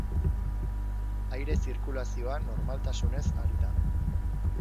Aire-zirkulazioa normaltasunez ari da.